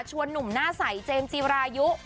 หนุ่มหน้าใสเจมส์จีรายุ